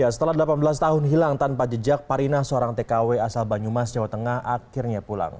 setelah delapan belas tahun hilang tanpa jejak parinah seorang tkw asal banyumas jawa tengah akhirnya pulang